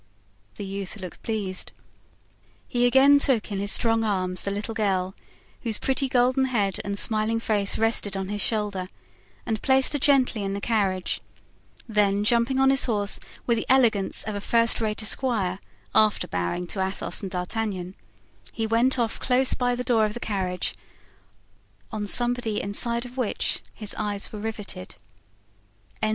The youth looked pleased. He again took in his strong arms the little girl, whose pretty golden head and smiling face rested on his shoulder, and placed her gently in the carriage; then jumping on his horse with the elegance of a first rate esquire, after bowing to Athos and D'Artagnan, he went off close by the door of the carriage, on somebody inside of which his eyes were riveted.